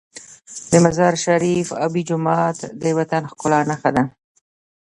د مزار شریف آبي جومات د وطن د ښکلا نښه ده.